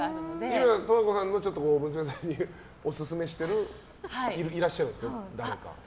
今、十和子さんが娘さんにオススメしてる人はいらっしゃるんですか。